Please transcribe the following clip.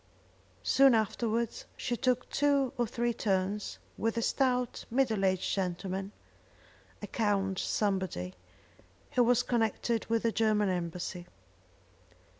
Soon afterwards she took two or three turns with a stout middle aged gentleman, a Count somebody, who was connected with the German embassy.